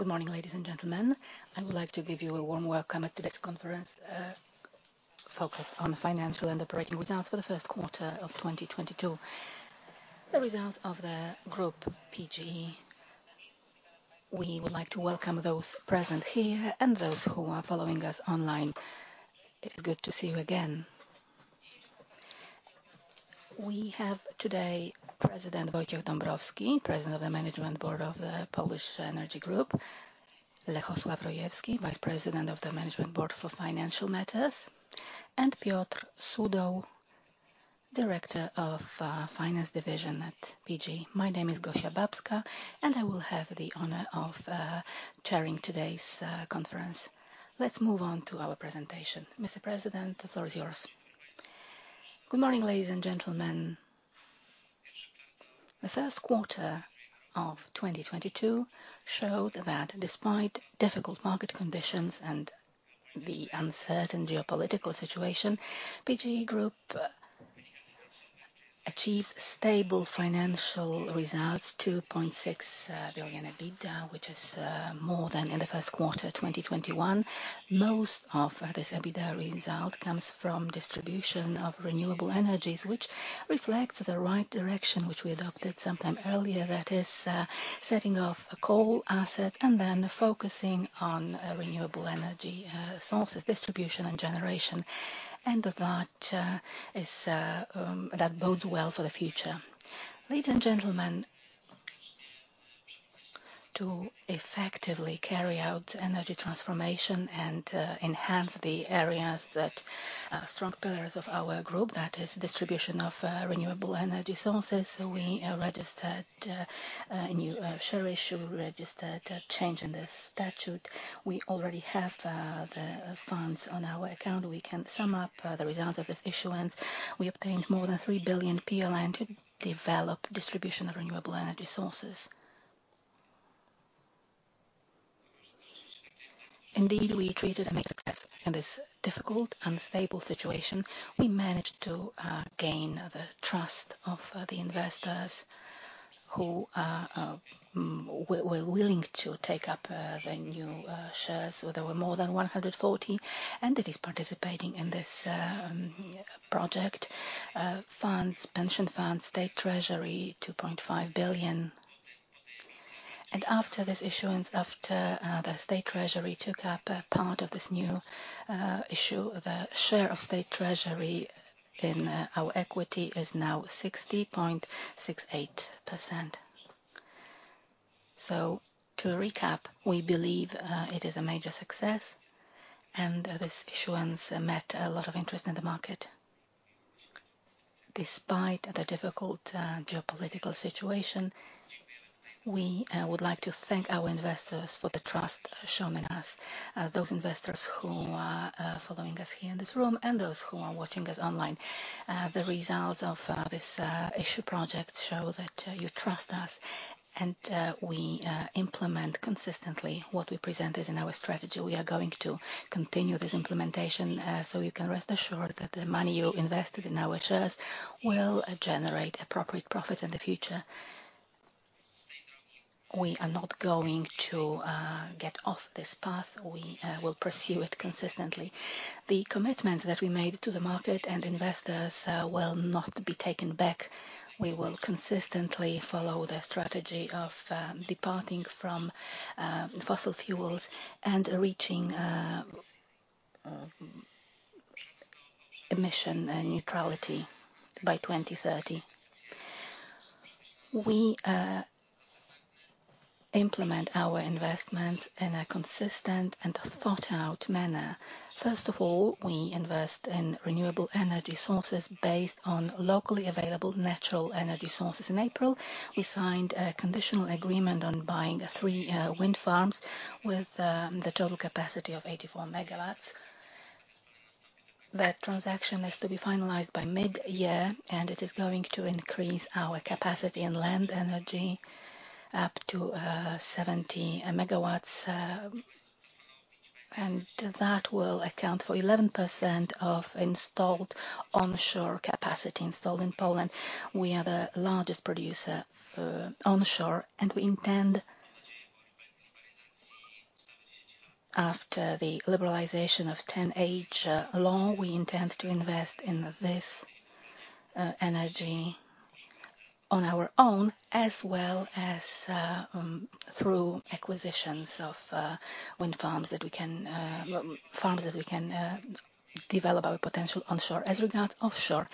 Good morning, ladies and gentlemen. I would like to give you a warm welcome at today's conference focused on financial and operating results for the first quarter of 2022. The results of the PGE Group. We would like to welcome those present here and those who are following us online. It is good to see you again. We have today President Wojciech Dąbrowski, President of the Management Board of the Polish Energy Group, Lechosław Rojewski, Vice President of the Management Board for Financial Matters, and Piotr Sudół, Director of Finance Division at PGE. My name is Gosia Bąbska, and I will have the honor of chairing today's conference. Let's move on to our presentation. Mr. President, the floor is yours. Good morning, ladies and gentlemen. The first quarter of 2022 showed that despite difficult market conditions and the uncertain geopolitical situation, PGE Group achieves stable financial results, 2.6 billion EBITDA, which is more than in the first quarter of 2021. Most of this EBITDA result comes from distribution of renewable energies, which reflects the right direction which we adopted sometime earlier, that is, setting off a coal asset and then focusing on renewable energy sources, distribution and generation. That bodes well for the future. Ladies and gentlemen, to effectively carry out energy transformation and enhance the areas that are strong pillars of our group, that is distribution of renewable energy sources, we registered a new share issue, registered a change in the statute. We already have the funds on our account. We can sum up the results of this issuance. We obtained more than 3 billion PLN to develop distribution of renewable energy sources. Indeed, we treat it as a major success in this difficult, unstable situation. We managed to gain the trust of the investors who were willing to take up the new shares. There were more than 140 entities participating in this project. Funds, pension funds, State Treasury, 2.5 billion. After this issuance, the State Treasury took up a part of this new issue, the share of State Treasury in our equity is now 60.68%. To recap, we believe it is a major success, and this issuance met a lot of interest in the market. Despite the difficult geopolitical situation, we would like to thank our investors for the trust shown in us, those investors who are following us here in this room and those who are watching us online. The results of this issue project show that you trust us and we implement consistently what we presented in our strategy. We are going to continue this implementation, so you can rest assured that the money you invested in our shares will generate appropriate profits in the future. We are not going to get off this path. We will pursue it consistently. The commitments that we made to the market and investors will not be taken back. We will consistently follow the strategy of departing from fossil fuels and reaching emission and neutrality by 2030. We implement our investments in a consistent and thought-out manner. First of all, we invest in renewable energy sources based on locally available natural energy sources. In April, we signed a conditional agreement on buying three wind farms with the total capacity of 84 MW. That transaction is to be finalized by mid-year, and it is going to increase our capacity in wind energy up to 70 MW, and that will account for 11% of installed onshore capacity in Poland. We are the largest producer onshore, and we intend, after the liberalization of 10H law, to invest in this energy on our own as well as through acquisitions of wind farms that we can develop our potential onshore. As regards offshore,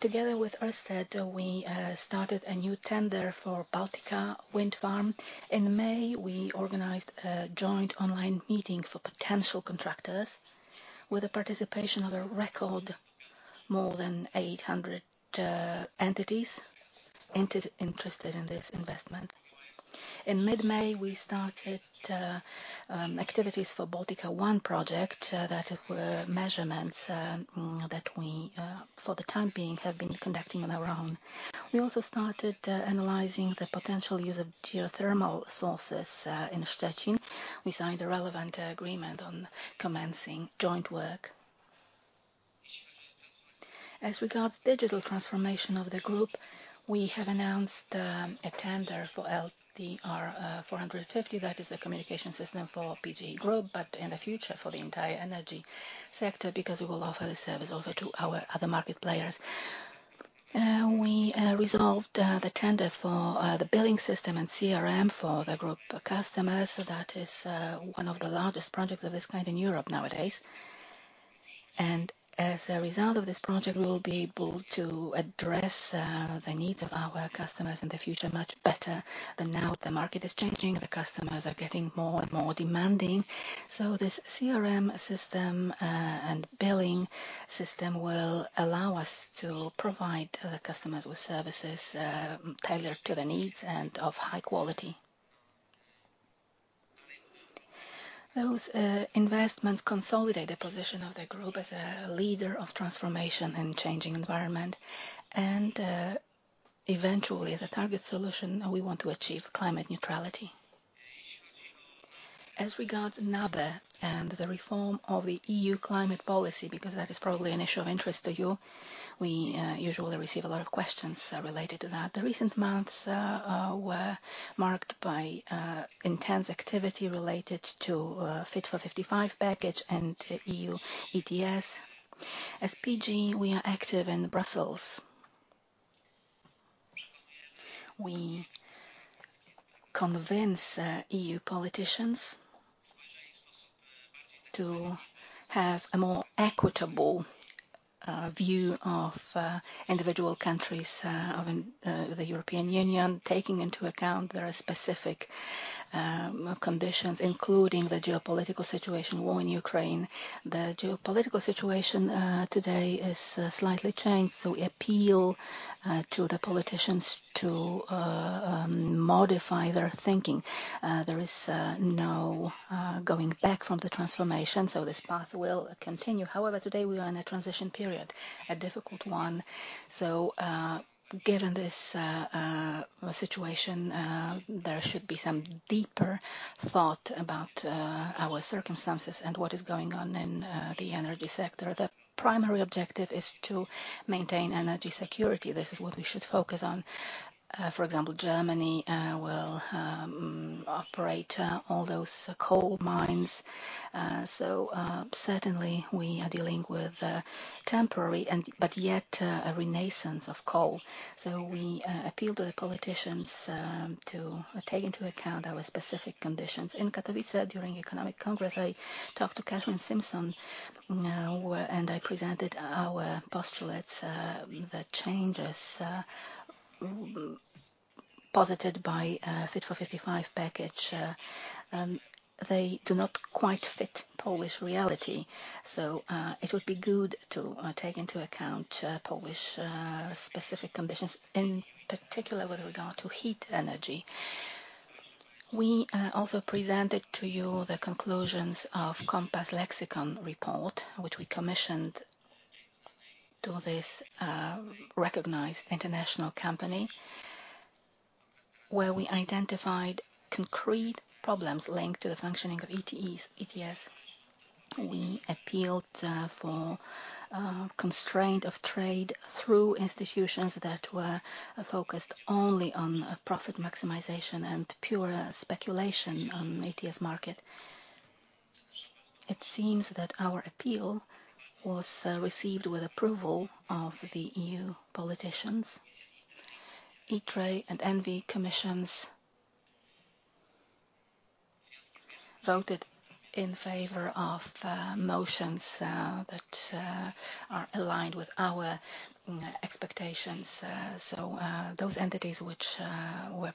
together with Ørsted, we started a new tender for Baltica Wind Farm. In May, we organized a joint online meeting for potential contractors with the participation of a record more than 800 entities interested in this investment. In mid-May, we started activities for Baltica 1 project, that were measurements, that we for the time being have been conducting on our own. We also started analyzing the potential use of geothermal sources in Szczecin. We signed a relevant agreement on commencing joint work. As regards digital transformation of the group, we have announced a tender for LTE 450. That is the communication system for PGE Group, but in the future for the entire energy sector, because we will offer the service also to our other market players. We resolved the tender for the billing system and CRM for the Group customers. That is one of the largest projects of this kind in Europe nowadays. As a result of this project, we will be able to address the needs of our customers in the future much better than now. The market is changing, the customers are getting more and more demanding. This CRM system and billing system will allow us to provide the customers with services tailored to their needs and of high quality. Those investments consolidate the position of the Group as a leader of transformation in changing environment. Eventually, as a target solution, we want to achieve climate neutrality. As regards NABE and the reform of the EU climate policy, because that is probably an issue of interest to you, we usually receive a lot of questions related to that. The recent months were marked by intense activity related to Fit for 55 package and EU ETS. As PGE, we are active in Brussels. We convince EU politicians to have a more equitable view of individual countries of the European Union, taking into account their specific conditions, including the geopolitical situation, war in Ukraine. The geopolitical situation today is slightly changed, so we appeal to the politicians to modify their thinking. There is no going back from the transformation, so this path will continue. However, today we are in a transition period, a difficult one. Given this situation, there should be some deeper thought about our circumstances and what is going on in the energy sector. The primary objective is to maintain energy security. This is what we should focus on. For example, Germany will operate all those coal mines. Certainly we are dealing with a temporary but yet a renaissance of coal. We appeal to the politicians to take into account our specific conditions. In Katowice, during economic congress, I talked to Kadri Simson and I presented our postulates, the changes posited by Fit for 55 package. They do not quite fit Polish reality, so it would be good to take into account Polish specific conditions, in particular with regard to heat energy. We also presented to you the conclusions of Compass Lexecon report, which we commissioned to this recognized international company, where we identified concrete problems linked to the functioning of EU ETS. We appealed for constraint of trade through institutions that were focused only on profit maximization and pure speculation on EU ETS market. It seems that our appeal was received with approval of the EU politicians. ITRE and ENVI Commissions voted in favor of motions that are aligned with our expectations. Those entities which were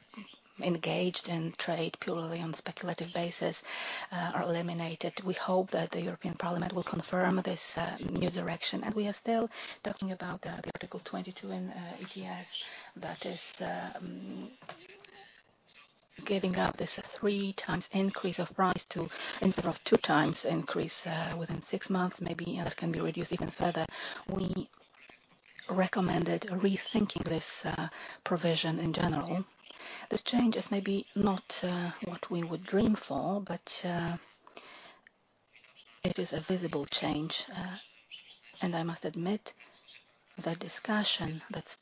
engaged in trade purely on speculative basis are eliminated. We hope that the European Parliament will confirm this new direction. We are still talking about the Article 22 in ETS that is giving up this 3 times increase of price to instead of 2 times increase within 6 months, maybe that can be reduced even further. We recommended rethinking this provision in general. These changes may be not what we would dream for, but it is a visible change. I must admit the discussion that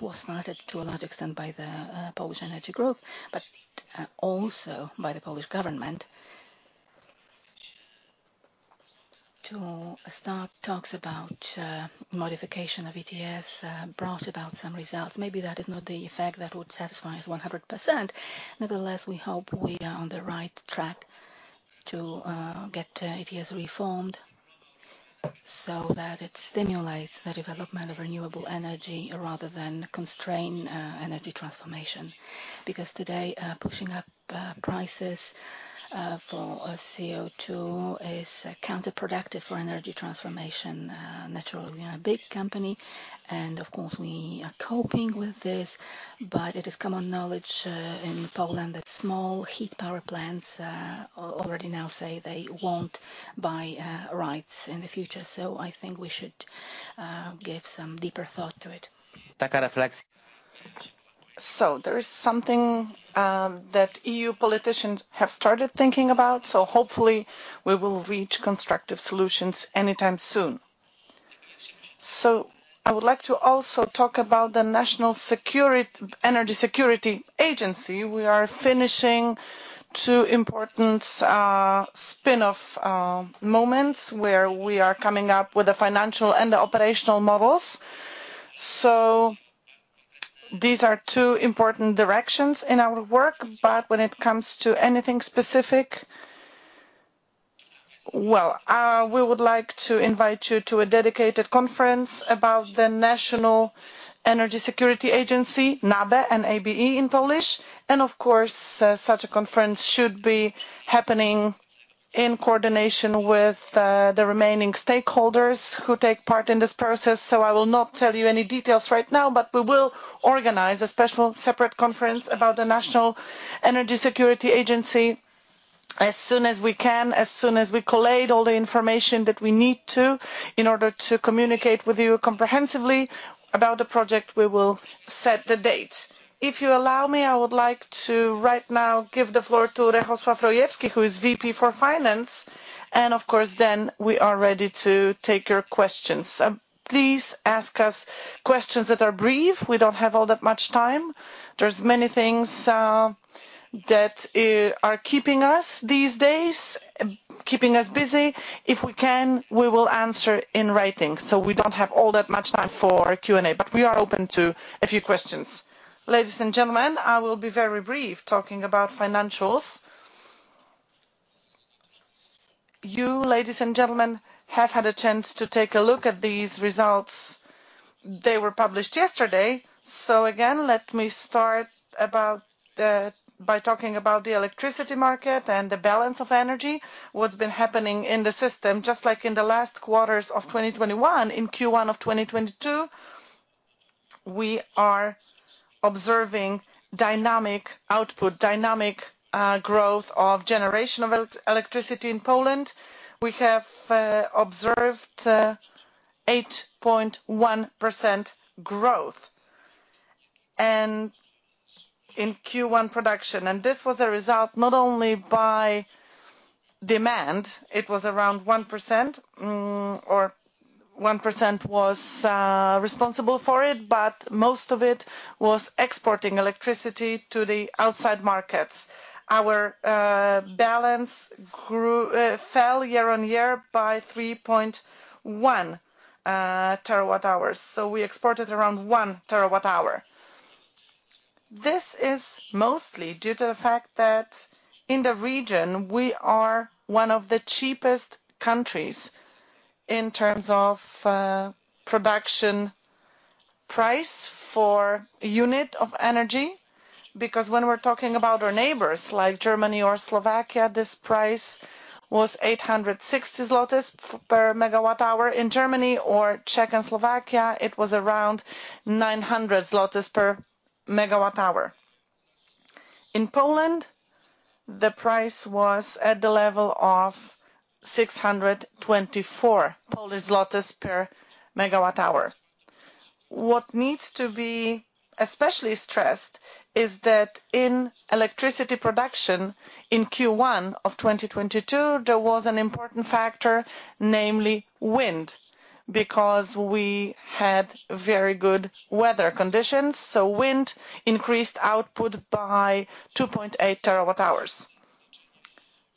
was started to a large extent by the Polish Energy Group, but also by the Polish government to start talks about modification of ETS brought about some results. Maybe that is not the effect that would satisfy us 100%. Nevertheless, we hope we are on the right track to get ETS reformed so that it stimulates the development of renewable energy rather than constrain energy transformation. Because today, pushing up prices for CO2 is counterproductive for energy transformation. Naturally, we are a big company, and of course, we are coping with this. It is common knowledge in Poland that small heat power plants already now say they won't buy rights in the future. I think we should give some deeper thought to it. That's a reflection. There is something that EU politicians have started thinking about, so hopefully we will reach constructive solutions any time soon. I would like to also talk about the National Energy Security Agency. We are finishing two important spin-off moments where we are coming up with the financial and the operational models. These are two important directions in our work. When it comes to anything specific. Well, we would like to invite you to a dedicated conference about the National Energy Security Agency, NABE, N-A-B-E in Polish. Of course, such a conference should be happening in coordination with the remaining stakeholders who take part in this process, so I will not tell you any details right now. We will organize a special separate conference about the National Energy Security Agency as soon as we can. As soon as we collate all the information that we need to in order to communicate with you comprehensively about the project, we will set the date. If you allow me, I would like to right now give the floor to Lechosław Rojewski, who is VP for Finance, and of course then we are ready to take your questions. Please ask us questions that are brief. We don't have all that much time. There's many things that are keeping us busy these days. If we can, we will answer in writing. We don't have all that much time for Q&A, but we are open to a few questions. Ladies and gentlemen, I will be very brief talking about financials. You, ladies and gentlemen, have had a chance to take a look at these results. They were published yesterday. Again, let me start by talking about the electricity market and the balance of energy, what's been happening in the system. Just like in the last quarters of 2021, in Q1 of 2022, we are observing dynamic output, dynamic, growth of generation of electricity in Poland. We have observed 8.1% growth, and in Q1 production. This was a result not only by demand. It was around 1%, or 1% was responsible for it, but most of it was exporting electricity to the outside markets. Our balance fell year-on-year by 3.1 terawatt-hours, so we exported around 1 terawatt-hour. This is mostly due to the fact that in the region, we are one of the cheapest countries in terms of production price for a unit of energy, because when we're talking about our neighbors, like Germany or Slovakia, this price was 860 zlotys per MWh. In Germany or Czech and Slovakia, it was around 900 zlotys per MWh. In Poland, the price was at the level of 624 per MWh. What needs to be especially stressed is that in electricity production in Q1 of 2022, there was an important factor, namely wind, because we had very good weather conditions. Wind increased output by 2.8 TWh.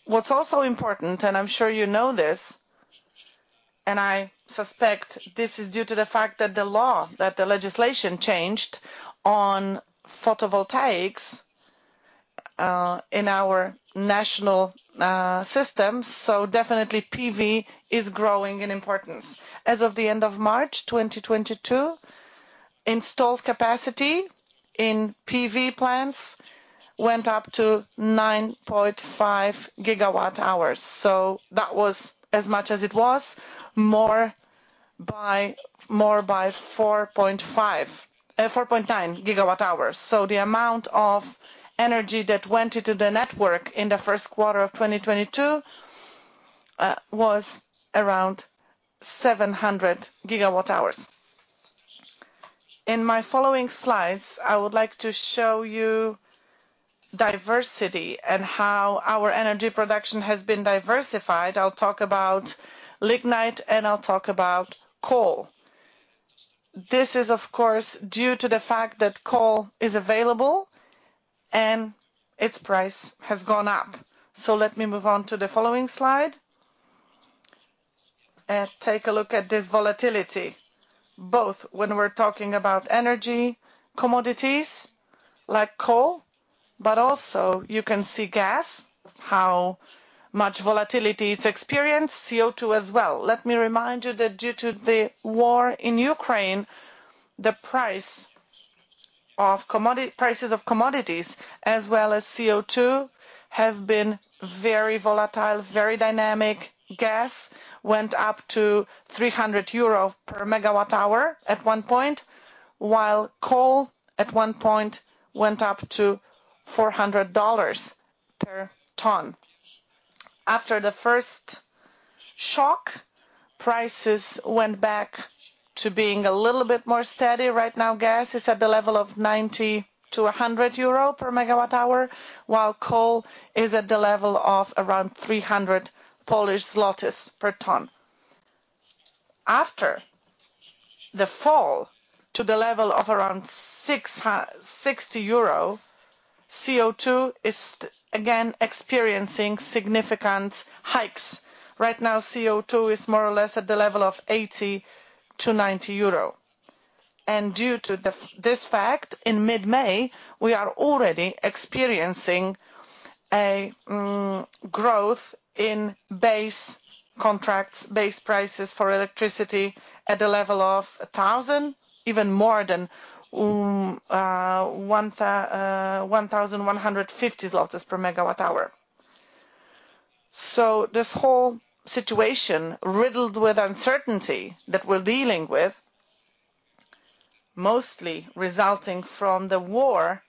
What's also important, and I'm sure you know this, and I suspect this is due to the fact that the law, that the legislation changed on photovoltaics, in our national systems. Definitely PV is growing in importance. As of the end of March 2022, installed capacity in PV plants went up to 9.5 GWh. That was as much as it was, more by 4.9 GWh. The amount of energy that went into the network in the first quarter of 2022 was around 700 GWh. In my following slides, I would like to show you diversity and how our energy production has been diversified. I'll talk about lignite, and I'll talk about coal. This is, of course, due to the fact that coal is available and its price has gone up. Let me move on to the following slide and take a look at this volatility, both when we're talking about energy commodities like coal, but also you can see gas, how much volatility it's experienced. CO2 as well. Let me remind you that due to the war in Ukraine, the prices of commodities as well as CO2 have been very volatile, very dynamic. Gas went up to 300 euro per MWh at one point, while coal at one point went up to $400 per ton. After the first shock prices went back to being a little bit more steady. Right now, gas is at the level of 90-100 euro per MWh, while coal is at the level of around 300 Polish zlotys per ton. After the fall to the level of around 60 euro, CO2 is again experiencing significant hikes. Right now, CO2 is more or less at the level of 80-90 euro. Due to this fact, in mid-May, we are already experiencing growth in base contracts, base prices for electricity at the level of 1,000, even more than 1,150 zlotys per MWh. This whole situation riddled with uncertainty that we're dealing with, mostly resulting from the war,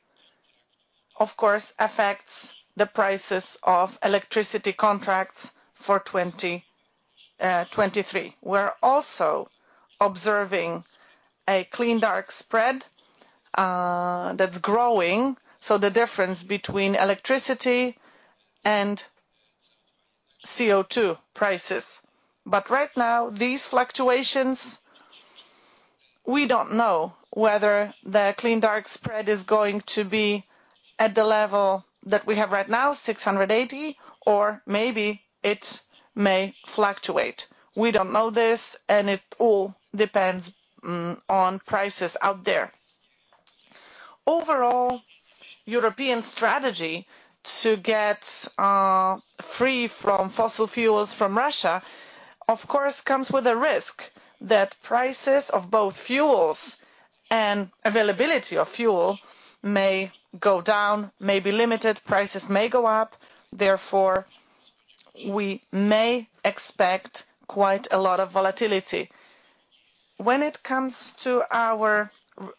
of course, affects the prices of electricity contracts for 2023. We're also observing a clean dark spread that's growing, so the difference between electricity and CO2 prices. Right now, these fluctuations, we don't know whether the clean dark spread is going to be at the level that we have right now, 680, or maybe it may fluctuate. We don't know this, and it all depends on prices out there. Overall, European strategy to get free from fossil fuels from Russia, of course, comes with a risk that prices of both fuels and availability of fuel may go down, may be limited, prices may go up. Therefore, we may expect quite a lot of volatility. When it comes to our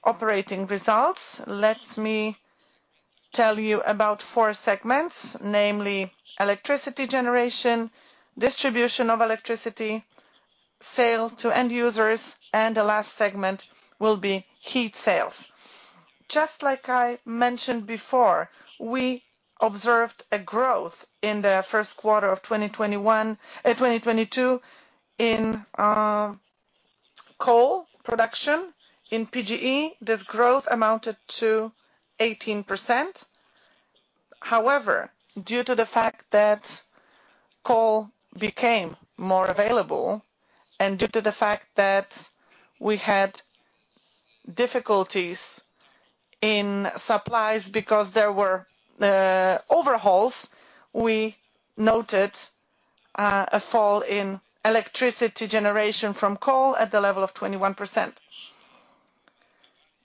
operating results, let me tell you about four segments, namely electricity generation, distribution of electricity, sale to end users, and the last segment will be heat sales. Just like I mentioned before, we observed a growth in the first quarter of 2022 in coal production. In PGE, this growth amounted to 18%. However, due to the fact that coal became more available and due to the fact that we had difficulties in supplies because there were overhauls, we noted a fall in electricity generation from coal at the level of 21%.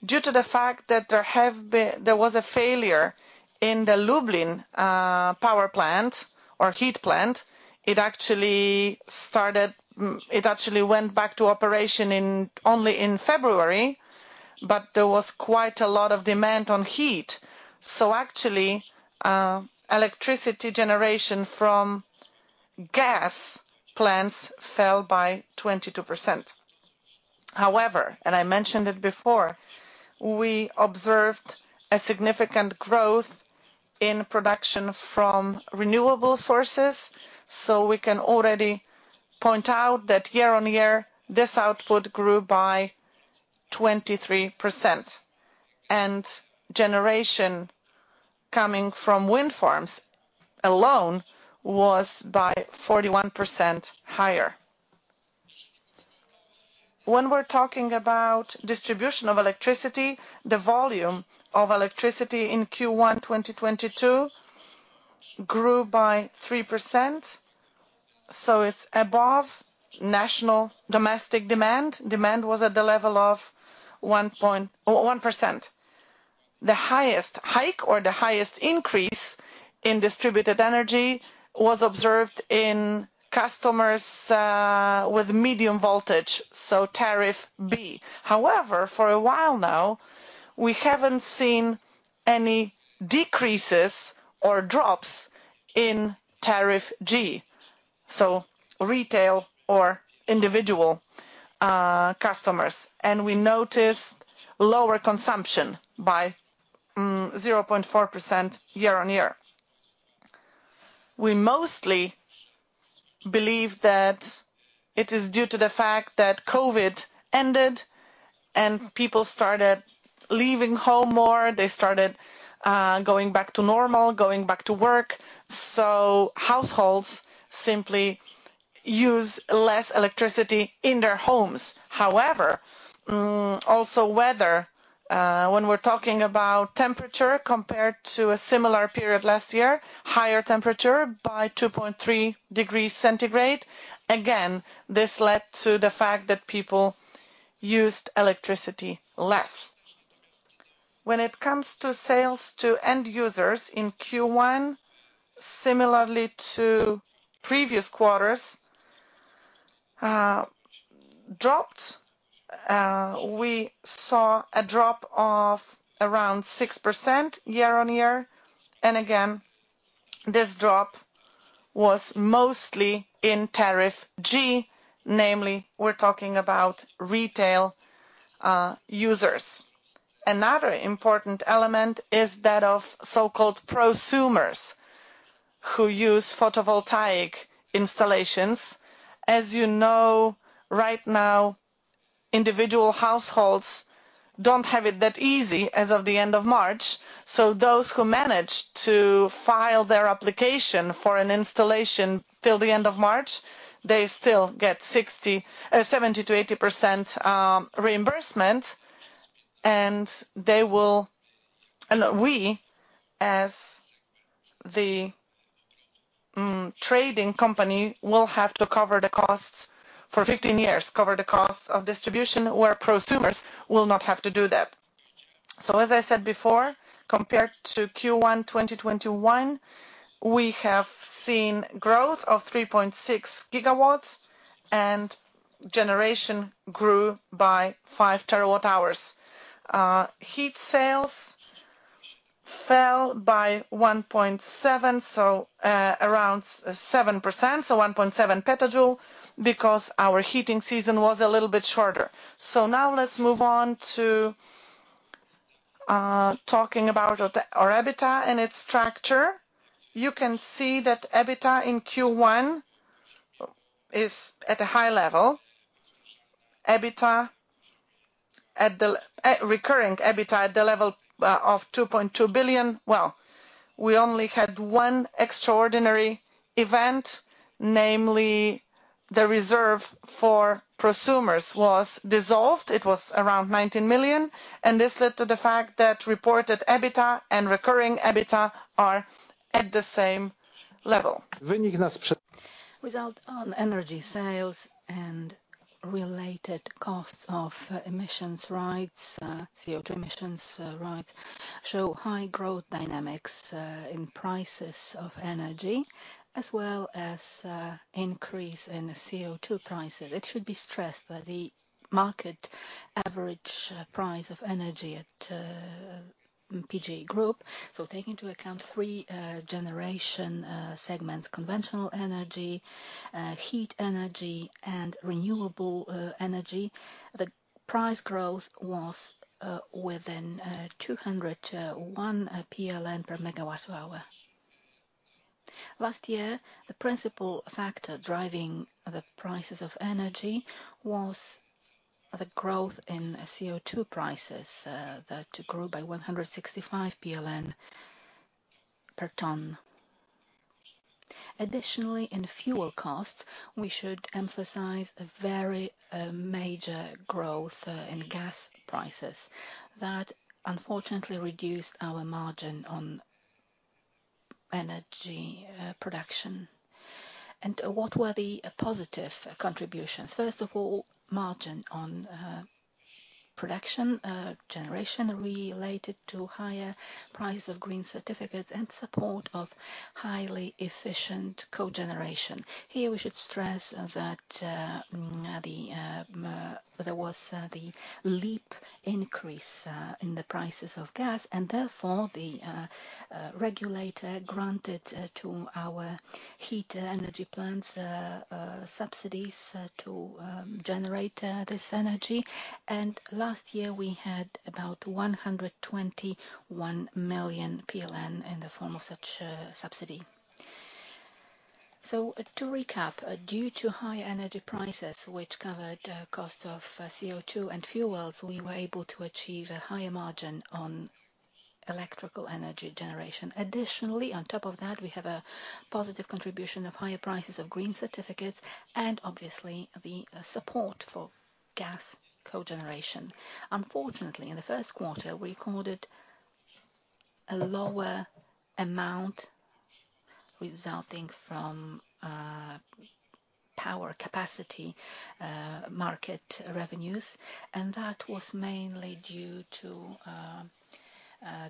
Due to the fact that there was a failure in the Lublin power plant or heat plant, it actually went back to operation only in February, but there was quite a lot of demand on heat. Actually, electricity generation from gas plants fell by 22%. However, and I mentioned it before, we observed a significant growth in production from renewable sources. We can already point out that year-on-year, this output grew by 23%, and generation coming from wind farms alone was by 41% higher. When we're talking about distribution of electricity, the volume of electricity in Q1 2022 grew by 3%, so it's above national domestic demand. Demand was at the level of 1%. The highest hike or the highest increase in distributed energy was observed in customers with medium voltage, so tariff B. However, for a while now, we haven't seen any decreases or drops in tariff G, so retail or individual customers. We noticed lower consumption by 0.4% year-on-year. We mostly believe that it is due to the fact that COVID ended and people started leaving home more, they started going back to normal, going back to work, so households simply use less electricity in their homes. However, also weather when we're talking about temperature compared to a similar period last year, higher temperature by 2.3 degrees Celsius, again, this led to the fact that people used electricity less. When it comes to sales to end users in Q1, similarly to previous quarters, dropped. We saw a drop of around 6% year-over-year. Again, this drop was mostly in tariff G, namely we're talking about retail users. Another important element is that of so-called prosumers who use photovoltaic installations. As you know, right now, individual households don't have it that easy as of the end of March. Those who managed to file their application for an installation till the end of March, they still get 60, 70%-80% reimbursement, and they will. We, as the trading company, will have to cover the costs for 15 years, cover the costs of distribution where prosumers will not have to do that. As I said before, compared to Q1 2021, we have seen growth of 3.6 GW and generation grew by 5 TWh. Heat sales fell by 1.7, around 7%, 1.7 PJ, because our heating season was a little bit shorter. Now let's move on to talking about our EBITDA and its structure. You can see that EBITDA in Q1 is at a high level. Recurring EBITDA at the level of 2.2 billion. Well, we only had one extraordinary event, namely the reserve for prosumers was dissolved. It was around 19 million, and this led to the fact that reported EBITDA and recurring EBITDA are at the same level. Results on energy sales and related costs of emissions rights, CO2 emissions rights show high growth dynamics in prices of energy as well as increase in CO2 prices. It should be stressed that the market average price of energy at PGE Group, so take into account three generation segments, conventional energy, heat energy and renewable energy. The price growth was within 200-100 PLN per MWh. Last year, the principal factor driving the prices of energy was the growth in CO2 prices that grew by 165 PLN per ton. Additionally, in fuel costs, we should emphasize a very major growth in gas prices that unfortunately reduced our margin on energy production. What were the positive contributions? First of all, margin on production generation related to higher price of green certificates and support of highly efficient cogeneration. Here, we should stress that there was the leap increase in the prices of gas and therefore the regulator granted to our heat energy plants subsidies to generate this energy. Last year we had about 121 million PLN in the form of such subsidy. To recap, due to high energy prices, which covered cost of CO2 and fuels, we were able to achieve a higher margin on electrical energy generation. Additionally, on top of that, we have a positive contribution of higher prices of green certificates and obviously the support for gas cogeneration. Unfortunately, in the first quarter, we recorded a lower amount resulting from power capacity market revenues, and that was mainly due to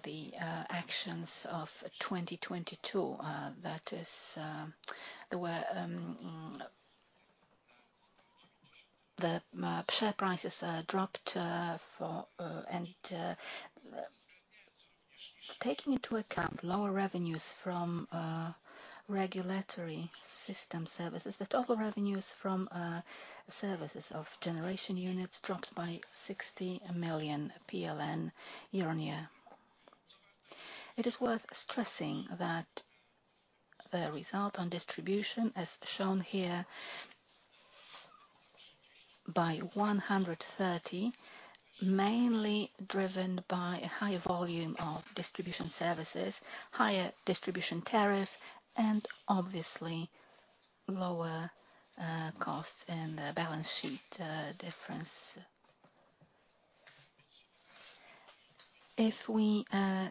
the actions of 2022. That is, the share prices dropped, and taking into account lower revenues from regulatory system services. The total revenues from services of generation units dropped by 60 million PLN year-on-year. It is worth stressing that the result on distribution, as shown here by 130 million, mainly driven by a higher volume of distribution services, higher distribution tariff, and obviously lower costs in the balance sheet difference. If we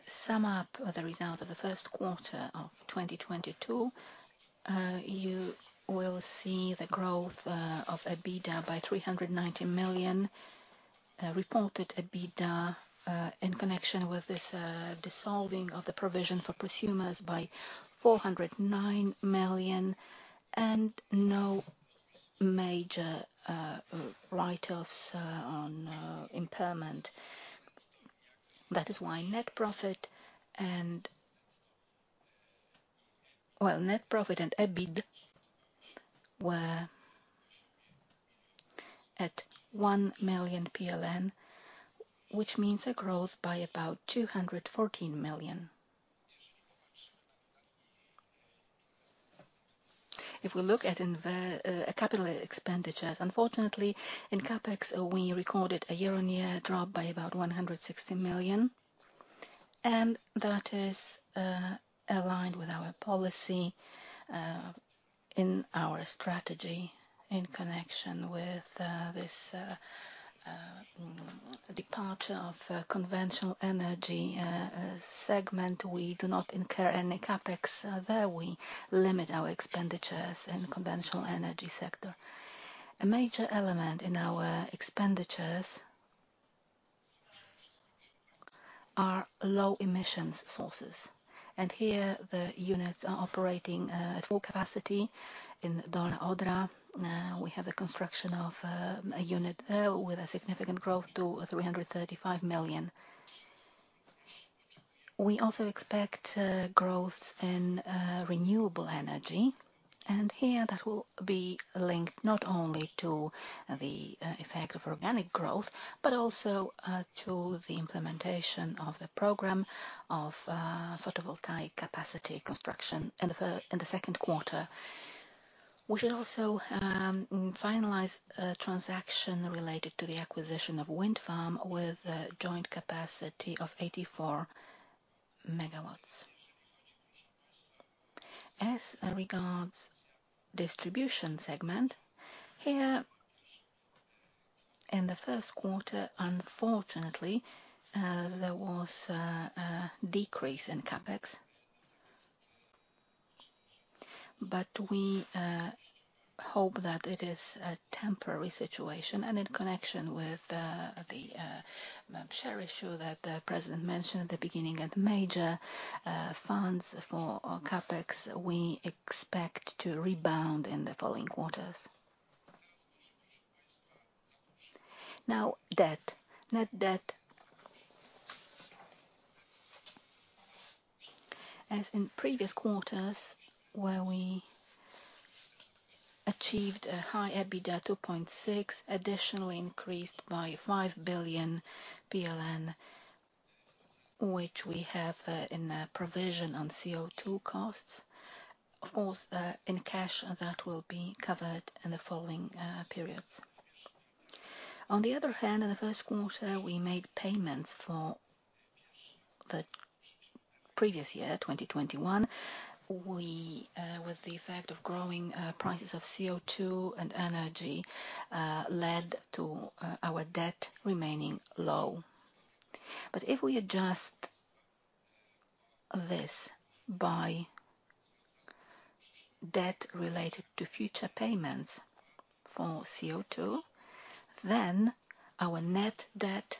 sum up the results of the first quarter of 2022, you will see the growth of EBITDA by 390 million. Reported EBITDA in connection with this dissolving of the provision for prosumers by 409 million, and no major write-offs on impairment. That is why net profit and EBIT were at 1 million PLN, which means a growth by about 214 million. If we look at capital expenditures, unfortunately, in CapEx, we recorded a year-on-year drop by about 160 million, and that is aligned with our policy in our strategy in connection with this departure of conventional energy segment. We do not incur any CapEx there. We limit our expenditures in conventional energy sector. A major element in our expenditures are low emissions sources. Here, the units are operating at full capacity. In Dolna Odra, we have the construction of a unit there with a significant growth to 335 million. We also expect growth in renewable energy, and here that will be linked not only to the effect of organic growth, but also to the implementation of the program of photovoltaic capacity construction in the second quarter. We should also finalize a transaction related to the acquisition of wind farm with a joint capacity of 84 MW. As regards distribution segment, here, in the first quarter, unfortunately, there was a decrease in CapEx. We hope that it is a temporary situation, and in connection with the share issue that the president mentioned at the beginning, major funds for our CapEx, we expect to rebound in the following quarters. Now, debt. Net debt, as in previous quarters, where we achieved a high EBITDA, 2.6, additionally increased by 5 billion PLN, which we have in a provision on CO2 costs. Of course, in cash, that will be covered in the following periods. On the other hand, in the first quarter, we made payments for the previous year, 2021. We, with the effect of growing prices of CO2 and energy, led to our debt remaining low. If we adjust this by debt related to future payments for CO2, then our net debt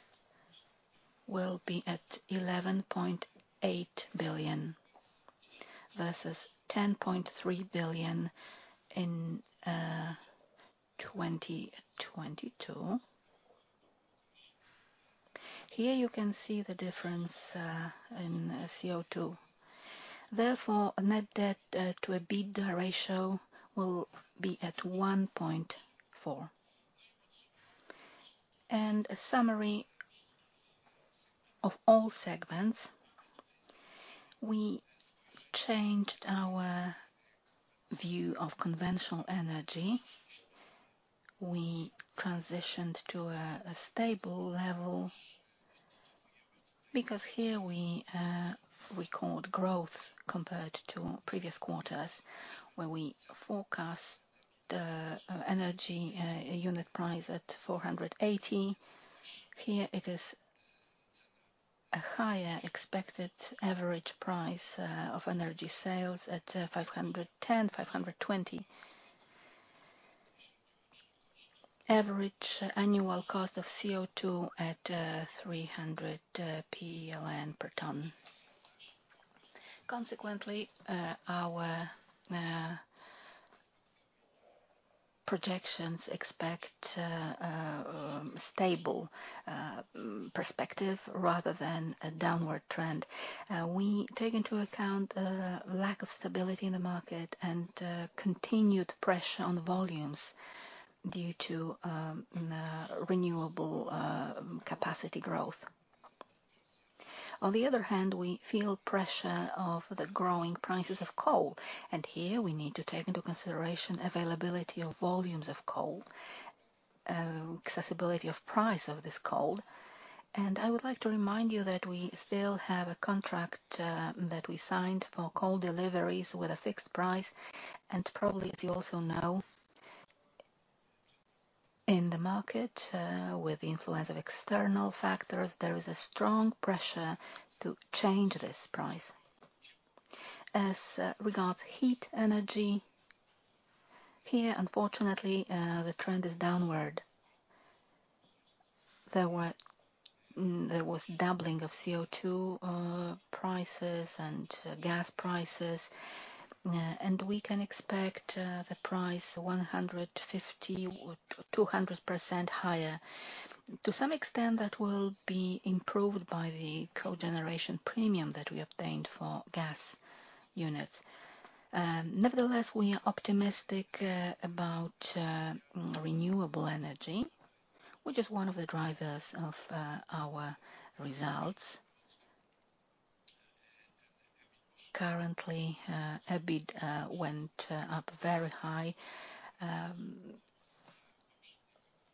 will be at 11.8 billion, versus 10.3 billion in 2022. Here you can see the difference in CO2. Therefore, net debt to EBITDA ratio will be at 1.4. A summary of all segments, we changed our view of conventional energy. We transitioned to a stable level because here we record growth compared to previous quarters, where we forecast the energy unit price at 480. Here, it is a higher expected average price of energy sales at 510-520. Average annual cost of CO2 at 300 PLN per ton. Consequently, our projections expect stable perspective rather than a downward trend. We take into account lack of stability in the market and continued pressure on the volumes due to renewable capacity growth. On the other hand, we feel pressure of the growing prices of coal, and here we need to take into consideration availability of volumes of coal, accessibility of price of this coal. I would like to remind you that we still have a contract that we signed for coal deliveries with a fixed price. Probably, as you also know, in the market with the influence of external factors, there is a strong pressure to change this price. As regards heat energy, here, unfortunately, the trend is downward. There was doubling of CO2 prices and gas prices. We can expect the price 150 or 200% higher. To some extent, that will be improved by the cogeneration premium that we obtained for gas units. Nevertheless, we are optimistic about renewable energy, which is one of the drivers of our results. Currently, a bit went up very high,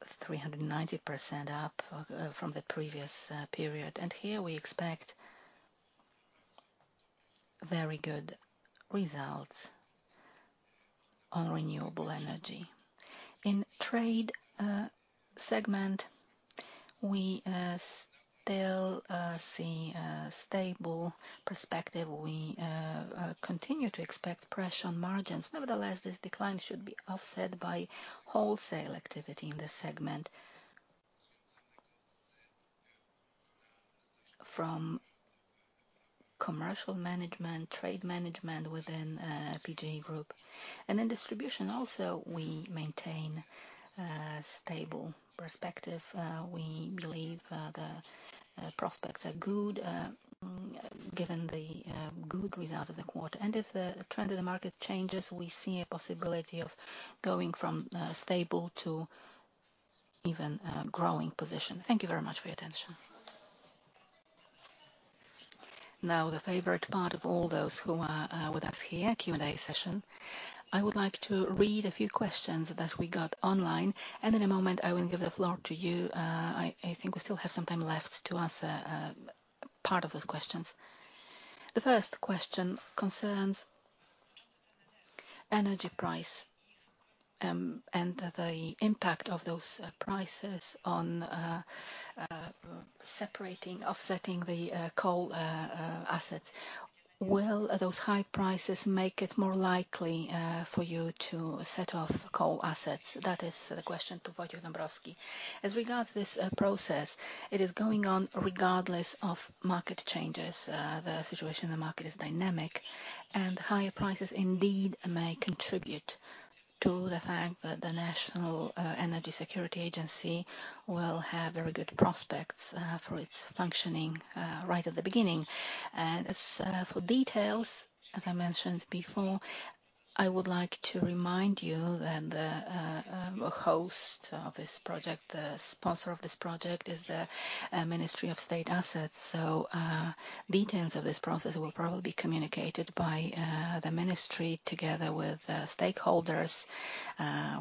390% up from the previous period. Here we expect very good results on renewable energy. In trade segment, we still see a stable perspective. We continue to expect pressure on margins. Nevertheless, this decline should be offset by wholesale activity in this segment. From commercial management, trade management within PGE Group. In distribution also, we maintain stable perspective. We believe the prospects are good, given the good results of the quarter. If the trend of the market changes, we see a possibility of going from stable to even a growing position. Thank you very much for your attention. Now, the favorite part of all those who are with us here, Q&A session. I would like to read a few questions that we got online, and in a moment I will give the floor to you. I think we still have some time left to ask part of those questions. The first question concerns energy price and the impact of those prices on separating offsetting the coal assets. Will those high prices make it more likely for you to set off coal assets? That is the question to Wojciech Dąbrowski. As regards this process, it is going on regardless of market changes. The situation in the market is dynamic, and higher prices indeed may contribute to the fact that the National Energy Security Agency will have very good prospects for its functioning right at the beginning. For details, as I mentioned before, I would like to remind you that the host of this project, the sponsor of this project, is the Ministry of State Assets. Details of this process will probably be communicated by the ministry together with stakeholders,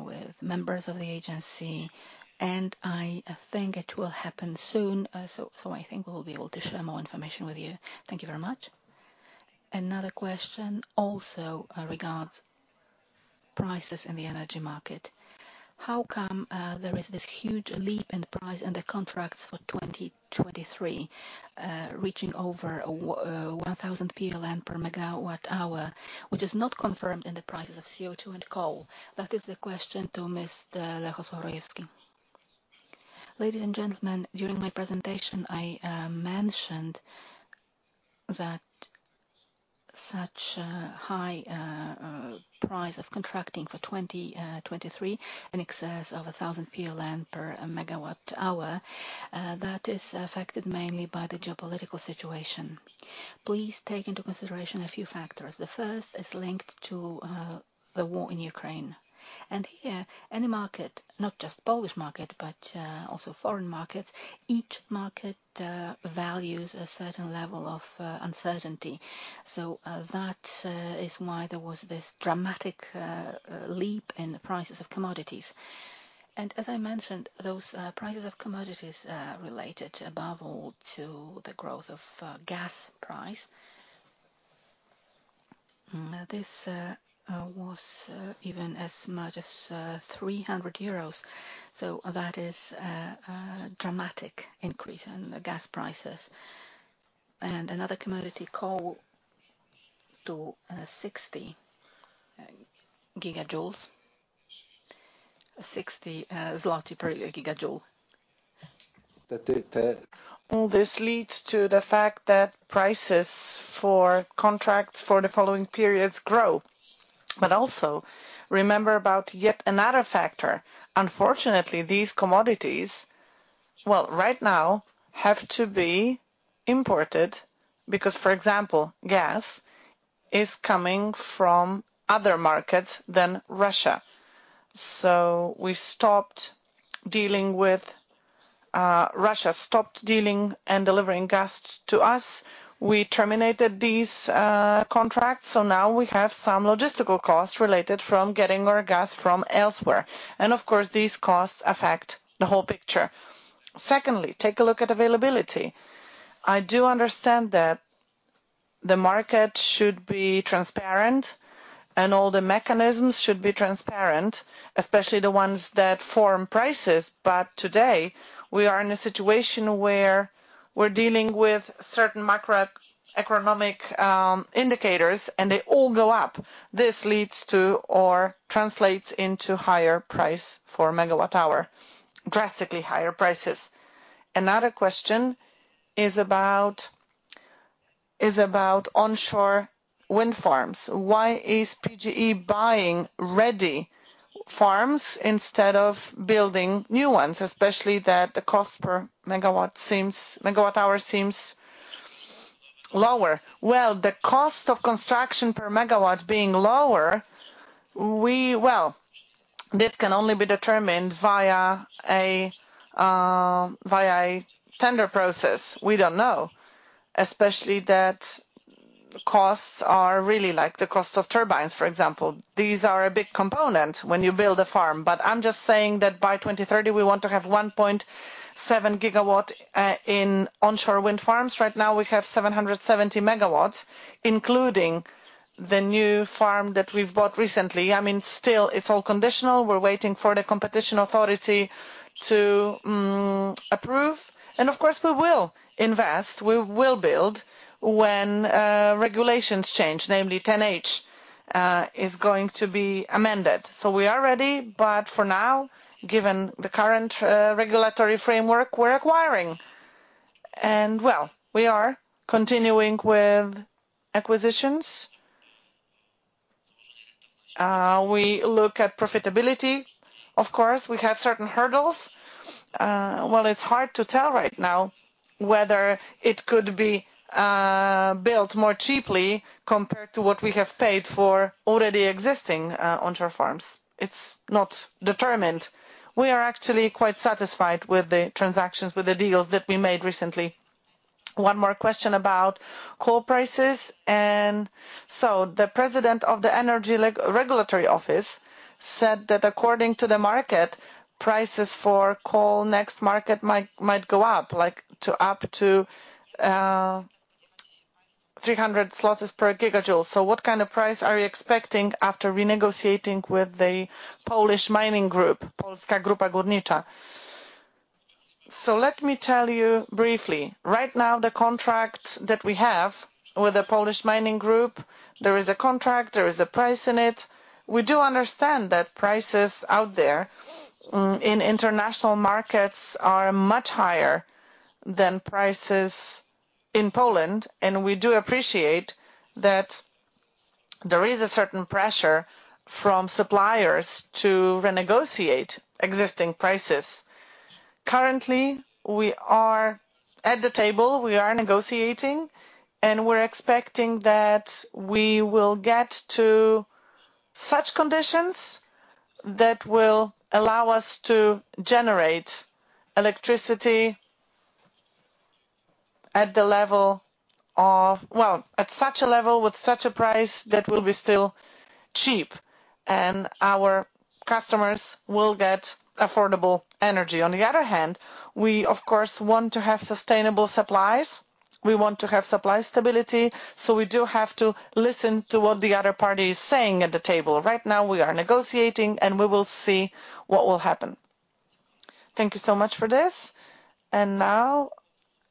with members of the agency, and I think it will happen soon. I think we'll be able to share more information with you. Thank you very much. Another question also regards prices in the energy market. How come there is this huge leap in price and the contracts for 2023 reaching over 1,000 PLN per megawatt hour, which is not confirmed in the prices of CO2 and coal? That is the question to Mr. Lechosław Rojewski. Ladies and gentlemen, during my presentation, I mentioned that such a high price of contracting for 2023 in excess of 1,000 PLN per megawatt hour, that is affected mainly by the geopolitical situation. Please take into consideration a few factors. The first is linked to the war in Ukraine. Here, any market, not just Polish market, but also foreign markets, each market values a certain level of uncertainty. That is why there was this dramatic leap in the prices of commodities. As I mentioned, those prices of commodities related above all to the growth of gas price. This was even as much as 300 euros, so that is dramatic increase in the gas prices. Another commodity, coal, to PLN 60 per gigajoule. All this leads to the fact that prices for contracts for the following periods grow. Also, remember about yet another factor. Unfortunately, these commodities right now have to be imported, because, for example, gas is coming from other markets than Russia. Russia stopped dealing and delivering gas to us. We terminated these contracts, now we have some logistical costs related from getting our gas from elsewhere. Of course, these costs affect the whole picture. Secondly, take a look at availability. I do understand that the market should be transparent. All the mechanisms should be transparent, especially the ones that form prices. Today, we are in a situation where we're dealing with certain macroeconomic indicators, and they all go up. This leads to or translates into higher price for megawatt-hour, drastically higher prices. Another question is about onshore wind farms. Why is PGE buying ready farms instead of building new ones, especially that the cost per megawatt-hour seems lower? Well, the cost of construction per megawatt being lower. Well, this can only be determined via a tender process. We don't know. Especially that costs are really like the cost of turbines, for example. These are a big component when you build a farm. But I'm just saying that by 2030, we want to have 1.7 gigawatt in onshore wind farms. Right now, we have 770 megawatts, including the new farm that we've bought recently. I mean, still, it's all conditional. We're waiting for the competition authority to approve. Of course, we will invest. We will build when regulations change, namely 10H is going to be amended. We are ready, but for now, given the current regulatory framework, we're acquiring. We are continuing with acquisitions. We look at profitability, of course. We have certain hurdles. It's hard to tell right now whether it could be built more cheaply compared to what we have paid for already existing onshore farms. It's not determined. We are actually quite satisfied with the transactions, with the deals that we made recently. One more question about coal prices. The president of the Energy Regulatory Office said that according to the market, prices for coal next market might go up, like up to 300 zlotys per gigajoule. What kind of price are you expecting after renegotiating with the Polish Mining Group, Polska Grupa Górnicza? Let me tell you briefly. Right now, the contract that we have with the Polish Mining Group, there is a contract, there is a price in it. We do understand that prices out there in international markets are much higher than prices in Poland, and we do appreciate that there is a certain pressure from suppliers to renegotiate existing prices. Currently, we are at the table, we are negotiating, and we're expecting that we will get to such conditions that will allow us to generate electricity at the level of. Well, at such a level with such a price that will be still cheap, and our customers will get affordable energy. On the other hand, we of course want to have sustainable supplies. We want to have supply stability, so we do have to listen to what the other party is saying at the table. Right now, we are negotiating, and we will see what will happen. Thank you so much for this. Now,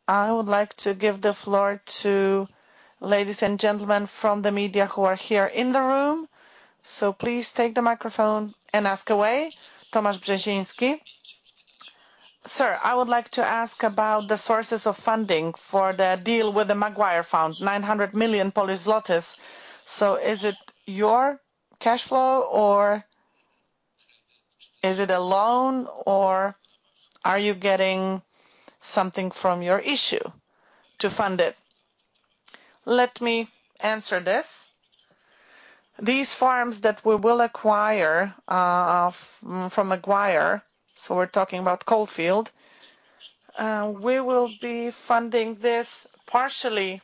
I would like to give the floor to ladies and gentlemen from the media who are here in the room. Please take the microphone and ask away. Tomasz Brzeziński. Sir, I would like to ask about the sources of funding for the deal with the Macquarie fund, 900 million Polish zlotys. So is it your cash flow, or is it a loan, or are you getting something from your issue to fund it? Let me answer this. These farms that we will acquire, from Macquarie, so we're talking about Kelfield, we will be funding this partially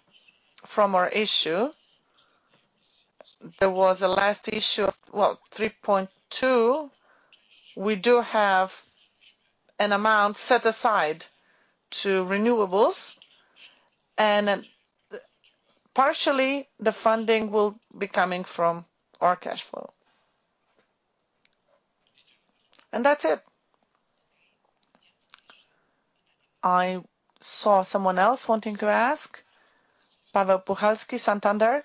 from our issue. There was a last issue of 3.2. We do have an amount set aside to renewables. Partially, the funding will be coming from our cash flow. That's it. I saw someone else wanting to ask. Paweł Puchalski, Santander.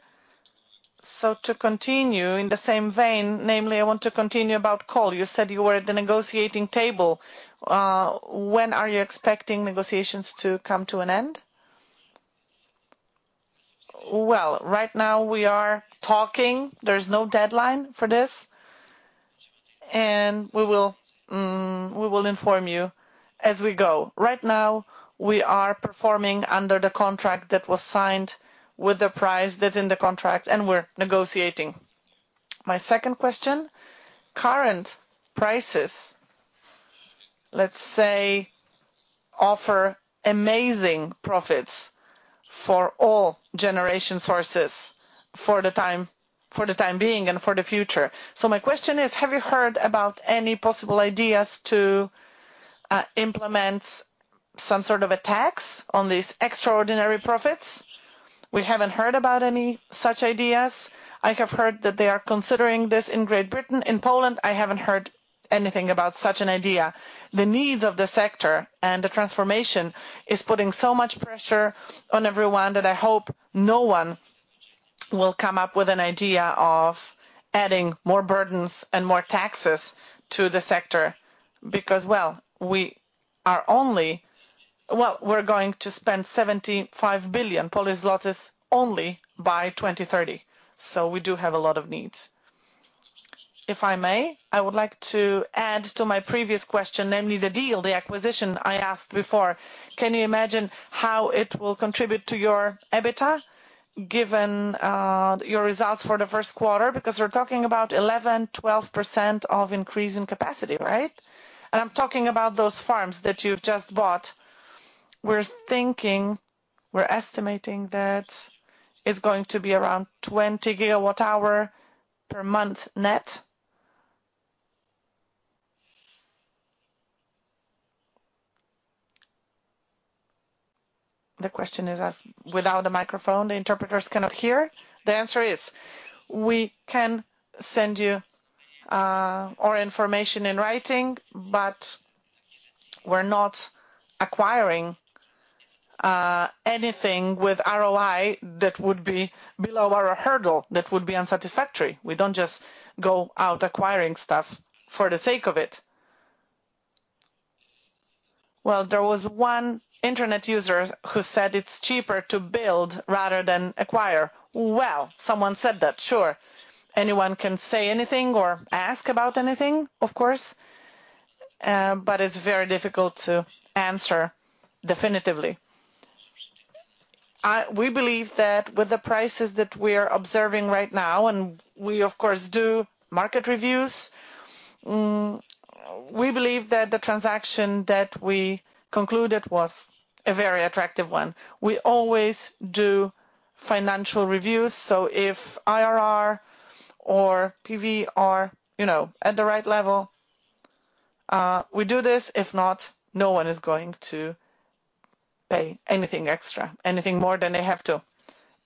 To continue in the same vein, namely, I want to continue about coal. You said you were at the negotiating table. When are you expecting negotiations to come to an end? Well, right now we are talking. There's no deadline for this. We will inform you as we go. Right now, we are performing under the contract that was signed with the price that's in the contract, and we're negotiating. My second question. Current prices, let's say, offer amazing profits for all generation sources for the time being and for the future. My question is, have you heard about any possible ideas to implement some sort of a tax on these extraordinary profits. We haven't heard about any such ideas. I have heard that they are considering this in Great Britain. In Poland, I haven't heard anything about such an idea. The needs of the sector and the transformation is putting so much pressure on everyone that I hope no one will come up with an idea of adding more burdens and more taxes to the sector, because we're going to spend 75 billion only by 2030, so we do have a lot of needs. If I may, I would like to add to my previous question, namely the deal, the acquisition I asked before. Can you imagine how it will contribute to your EBITDA, given your results for the first quarter? Because we're talking about 11%-12% increase in capacity, right? I'm talking about those farms that you've just bought. We're thinking, we're estimating that it's going to be around 20 GWh per month net. The question is asked without a microphone, the interpreters cannot hear. The answer is, we can send you our information in writing, but we're not acquiring anything with ROI that would be below our hurdle, that would be unsatisfactory. We don't just go out acquiring stuff for the sake of it. Well, there was one internet user who said it's cheaper to build rather than acquire. Well, someone said that, sure. Anyone can say anything or ask about anything, of course, but it's very difficult to answer definitively. We believe that with the prices that we are observing right now, and we of course do market reviews, we believe that the transaction that we concluded was a very attractive one. We always do financial reviews, so if IRR or NPV are, you know, at the right level, we do this. If not, no one is going to pay anything extra, anything more than they have to.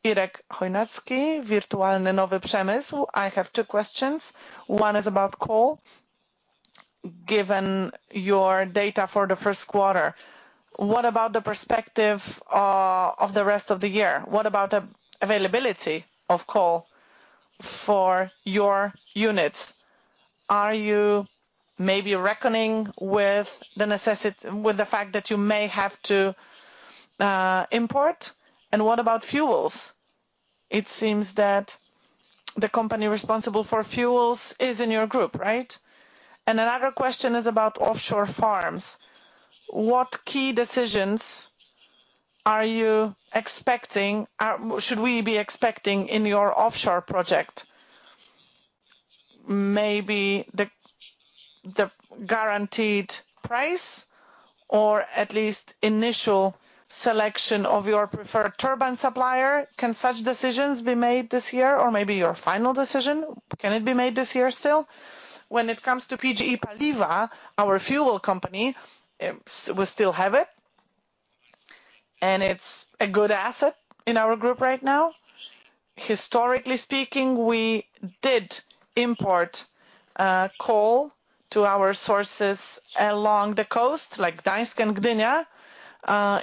Irek Chojnacki, Wirtualny Nowy Przemysł. I have two questions. One is about coal. Given your data for the first quarter, what about the perspective of the rest of the year? What about availability of coal for your units? Are you maybe reckoning with the fact that you may have to import? And what about fuels? It seems that the company responsible for fuels is in your group, right? Another question is about offshore farms. What key decisions are you expecting? Should we be expecting in your offshore project? Maybe the guaranteed price or at least initial selection of your preferred turbine supplier. Can such decisions be made this year? Or maybe your final decision, can it be made this year still? When it comes to PGE Paliwa, our fuel company, we still have it, and it's a good asset in our group right now. Historically speaking, we did import coal to our sources along the coast, like Gdańsk and Gdynia.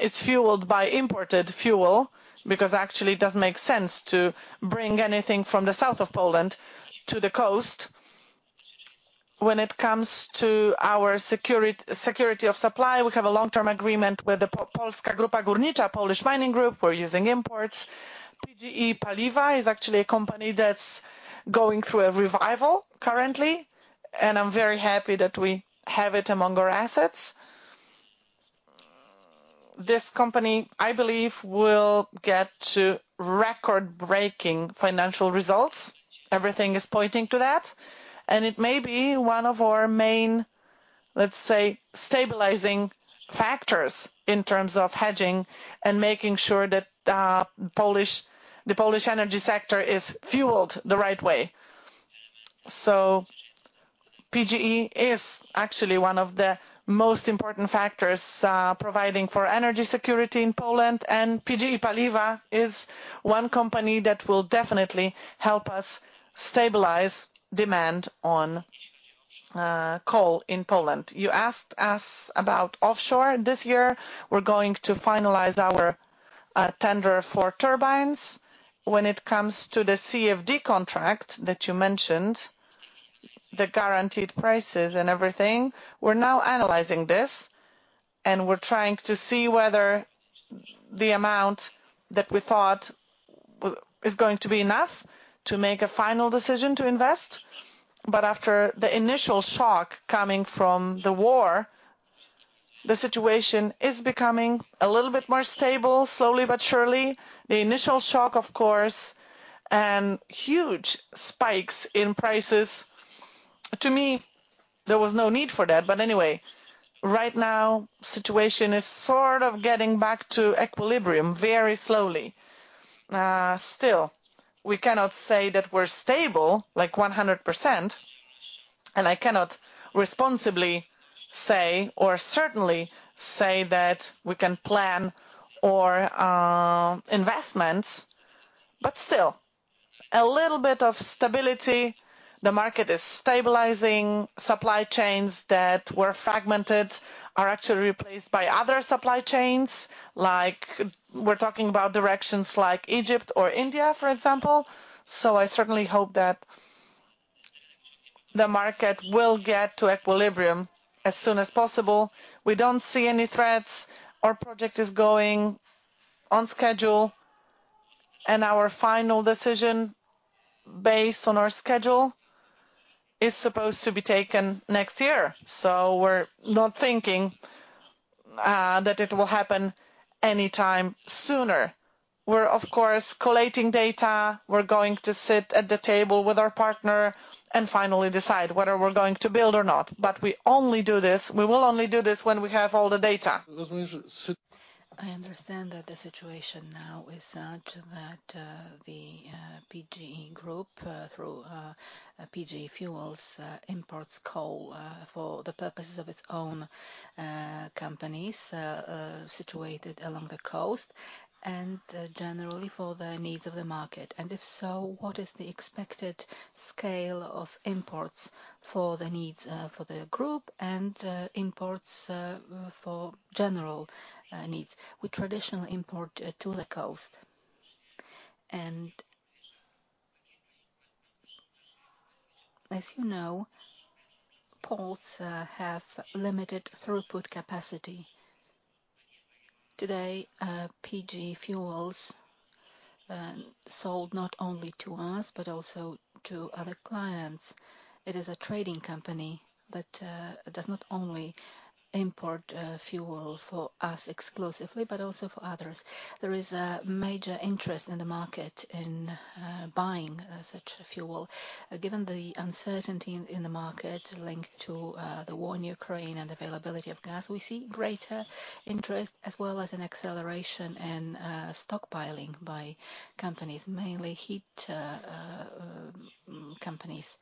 It's fueled by imported fuel because actually it doesn't make sense to bring anything from the south of Poland to the coast. When it comes to our security of supply, we have a long-term agreement with the Polska Grupa Górnicza, Polish Mining Group. We're using imports. PGE Paliwa is actually a company that's going through a revival currently, and I'm very happy that we have it among our assets. This company, I believe, will get to record-breaking financial results. Everything is pointing to that. It may be one of our main, let's say, stabilizing factors in terms of hedging and making sure that the Polish energy sector is fueled the right way. PGE is actually one of the most important factors providing for energy security in Poland. PGE Paliwa is one company that will definitely help us stabilize demand on coal in Poland. You asked us about offshore. This year, we're going to finalize our tender for turbines. When it comes to the CFD contract that you mentioned, the guaranteed prices and everything, we're now analyzing this, and we're trying to see whether the amount that we thought is going to be enough to make a final decision to invest. After the initial shock coming from the war, the situation is becoming a little bit more stable, slowly but surely. The initial shock, of course, and huge spikes in prices, to me, there was no need for that. Anyway, right now situation is sort of getting back to equilibrium very slowly. Still, we cannot say that we're stable, like 100%. I cannot responsibly say or certainly say that we can plan or investments, but still a little bit of stability. The market is stabilizing. Supply chains that were fragmented are actually replaced by other supply chains, like we're talking about directions like Egypt or India, for example. I certainly hope that the market will get to equilibrium as soon as possible. We don't see any threats. Our project is going on schedule, and our final decision based on our schedule is supposed to be taken next year. We're not thinking that it will happen anytime sooner. We're of course collating data. We're going to sit at the table with our partner and finally decide whether we're going to build or not. We only do this, we will only do this when we have all the data. I understand that the situation now is such that the PGE Group through PGE Fuels imports coal for the purposes of its own companies situated along the coast and generally for the needs of the market. If so, what is the expected scale of imports for the needs for the group and imports for general needs? We traditionally import to the coast. As you know, ports have limited throughput capacity. Today, PGE Fuels sold not only to us, but also to other clients. It is a trading company that does not only import fuel for us exclusively, but also for others. There is a major interest in the market in buying such fuel. Given the uncertainty in the market linked to the war in Ukraine and availability of gas, we see greater interest as well as an acceleration in stockpiling by companies, mainly heat companies.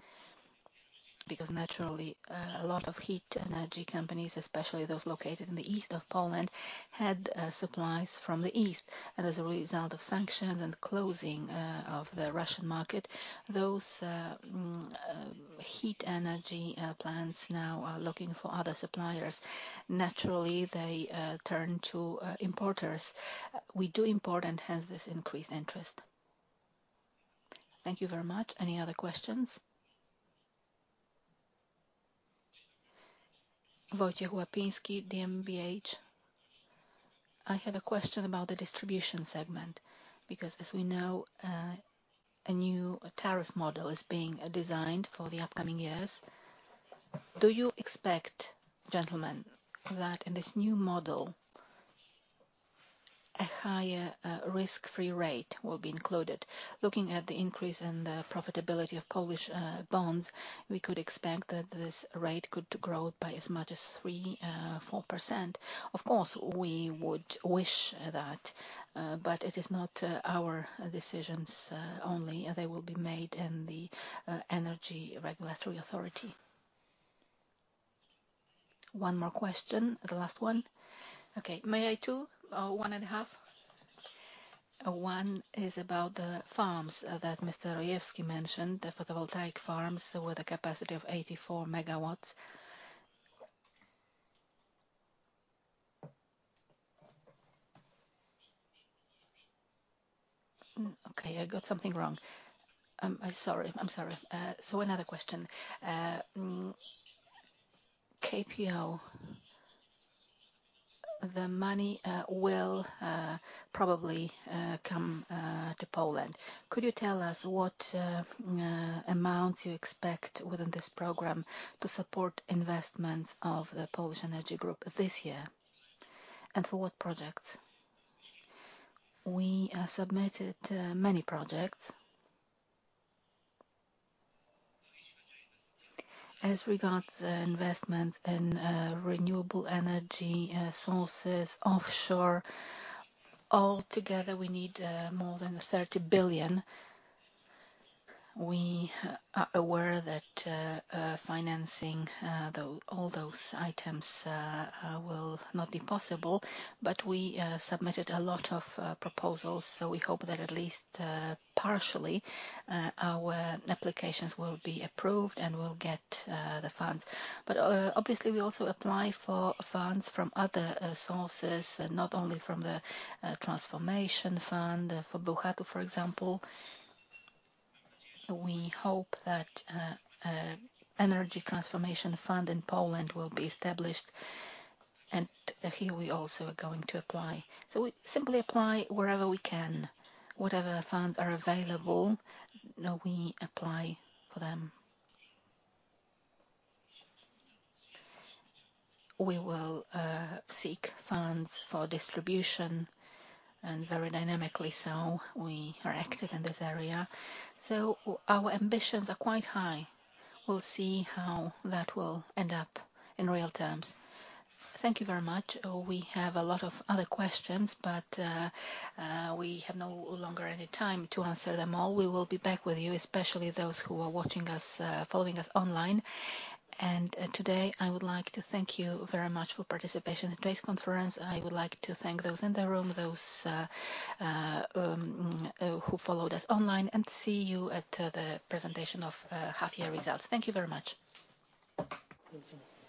Naturally, a lot of heat energy companies, especially those located in the east of Poland, had supplies from the east. As a result of sanctions and closing of the Russian market, those heat energy plants now are looking for other suppliers. Naturally, they turn to importers. We do import and hence this increased interest. Thank you very much. Any other questions? Wojciech Łapiński, DM BDM. I have a question about the distribution segment, because as we know, a new tariff model is being designed for the upcoming years. Do you expect, gentlemen, that in this new model a higher risk-free rate will be included? Looking at the increase in the profitability of Polish bonds, we could expect that this rate could grow by as much as 3%-4%. Of course, we would wish that, but it is not our decisions only. They will be made in the Energy Regulatory Office. One more question, the last one. Okay. May I two, one and a half? One is about the farms that Mr. Rojewski mentioned, the photovoltaic farms with a capacity of 84 MW. Okay, I got something wrong. I'm sorry. Another question. KPO, the money will probably come to Poland. Could you tell us what amounts you expect within this program to support investments of the Polish Energy Group this year, and for what projects? We submitted many projects. As regards investments in renewable energy sources, offshore, all together we need more than 30 billion. We are aware that financing through all those items will not be possible. We submitted a lot of proposals, so we hope that at least partially our applications will be approved and we'll get the funds. Obviously, we also apply for funds from other sources, not only from the transformation fund for Bogatynia, for example. We hope that an energy transformation fund in Poland will be established, and here we also are going to apply. We simply apply wherever we can. Whatever funds are available, we apply for them. We will seek funds for distribution and very dynamically so. We are active in this area. Our ambitions are quite high. We'll see how that will end up in real terms. Thank you very much. We have a lot of other questions, but we have no longer any time to answer them all. We will be back with you, especially those who are watching us, following us online. Today I would like to thank you very much for participation in today's conference. I would like to thank those in the room, those who followed us online, and see you at the presentation of half-year results. Thank you very much. Thank you.